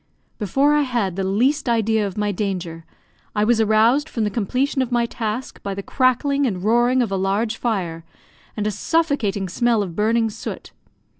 Before I had the least idea of my danger, I was aroused from the completion of my task by the crackling and roaring of a large fire, and a suffocating smell of burning soot.